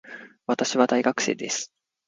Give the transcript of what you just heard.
私は大学生です